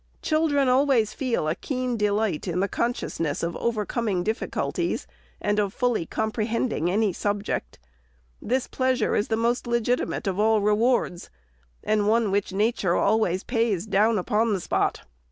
Children always feel a keen delight in the consciousness of overcoming difficulties, and of fully comprehending any subject. This pleasure is the most legitimate of all rewards, and one which Nature always ON SCHOOLHOUSES. 471 pays down on the spot.